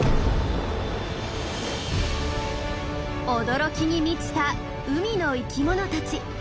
驚きに満ちた海の生きものたち。